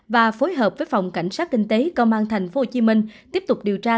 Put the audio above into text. và phối hợp với phòng cảnh sát kinh tế công an tp hcm tiếp tục điều tra